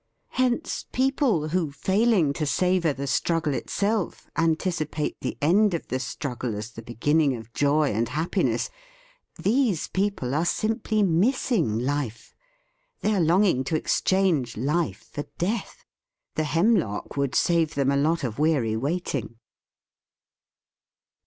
Hence, people, who, fail ing to savour the struggle itself, antici pate the end of the struggle as the be ginning of joy and happiness — these people are simply missing life ; they are longing to exchange life for death. The hemlock would save them a lot of weary waiting.